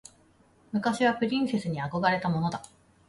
昔はプリンセスに憧れたものだ。